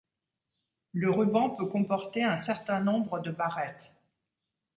Le ruban peut comporter un certain nombre de barrettes.